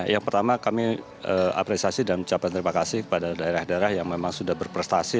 yang pertama kami apresiasi dan ucapan terima kasih kepada daerah daerah yang memang sudah berprestasi